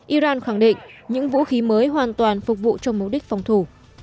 iran khẳng định những vũ khí mới hoàn toàn phục vụ cho mục đích phòng thủ